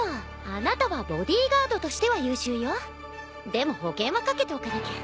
でも保険はかけておかなきゃ。